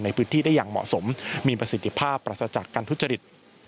ในพื้นที่ได้อย่างเหมาะสมมีประสิทธิภาพปราศจากการทุจริต